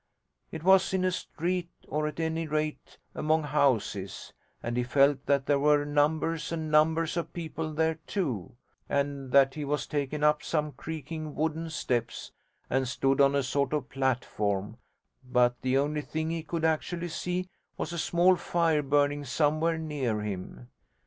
It was in a street, or at any rate among houses, and he felt that there were numbers and numbers of people there too, and that he was taken up some creaking wooden steps and stood on a sort of platform, but the only thing he could actually see was a small fire burning somewhere near him.